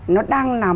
nó đang là